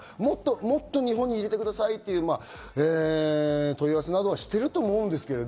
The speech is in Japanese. もっと日本に入れてくださいという問い合わせなどは、してると思うんですけど。